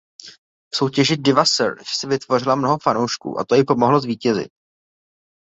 V soutěži Diva Search si vytvořila mnoho fanoušků a to jí pomohlo zvítězit.